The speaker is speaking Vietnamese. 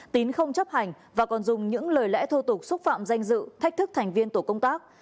tín không chấp hành và còn dùng những lời lẽ thô tục xúc phạm danh dự thách thức thành viên tổ công tác